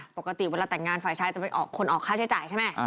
ปกติเวลาแต่งงานฝ่ายชายจะเป็นคนออกค่าใช้จ่ายใช่ไหม